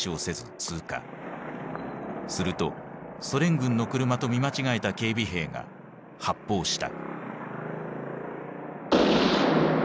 するとソ連軍の車と見間違えた警備兵が発砲した。